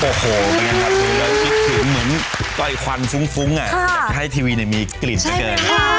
โอ้โหเป็นไงครับทุกคนคิดถึงเหมือนปล่อยควันฟุ้งอยากให้ทีวีในมีกลิ่นมากเกิน